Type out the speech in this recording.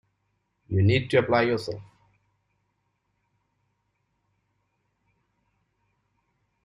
You need to apply yourself